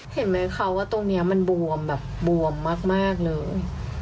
เห็นไหมคะว่าตรงนี้มันบวมแบบบวมมากเลย